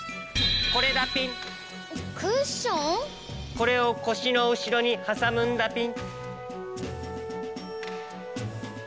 これをこしのうしろにはさむんだピン。